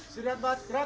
serian bat gerak